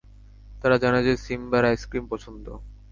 তারা জানে যে, সিম্বার আইসক্রিম পছন্দ।